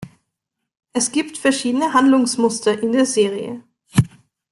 Es gibt verschiedene Handlungsmuster in der Serie.